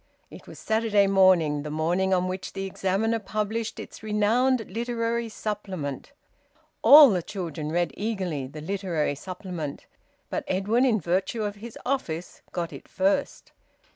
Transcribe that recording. It was Saturday morning, the morning on which the "Examiner" published its renowned Literary Supplement. All the children read eagerly the Literary Supplement; but Edwin, in virtue of his office, got it first.